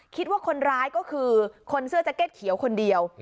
คิดว่าคนร้ายก็คือคนเสื้อแจ็คเก็ตเขียวคนเดียว